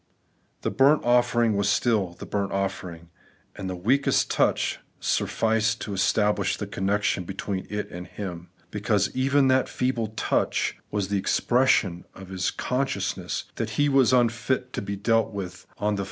The burnt offering was still the bumt ofifering, and the weakest touch suflSced to establish the connection between it and him, because even that feeble touch was the expression of his con sciousness that he was unfit to be dealt with on the 76 The Everlasting BigMeotisness.